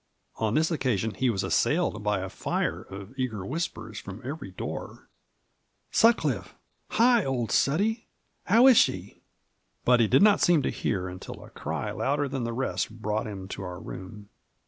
On this occasion he was assailed by a fire of eager whispers from every door: "SutclifEe, hil old Sutty, how is she ?" but he did not seem to hear, until a ciy louder than the rest brought him to our room.